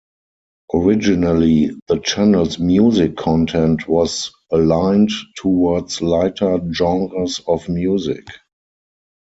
Originally, the channel's music content was aligned towards lighter genres of music.